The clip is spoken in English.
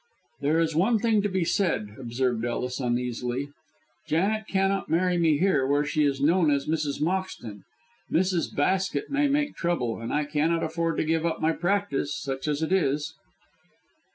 "There is one thing to be said," observed Ellis, uneasily. "Janet cannot marry me here, where she is known as Mrs. Moxton. Mrs. Basket may make trouble, and I cannot afford to give up my practice such as it is."